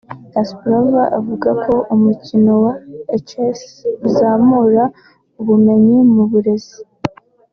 Kasparov avuga ko umukino wa Echec uzamura ubumenyi mu burezi